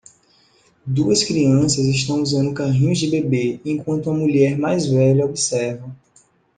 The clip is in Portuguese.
Duas crianças estão usando carrinhos de bebê enquanto uma mulher mais velha observa.